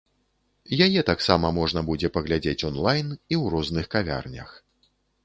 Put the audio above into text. Яе таксама можна будзе паглядзець онлайн і ў розных кавярнях.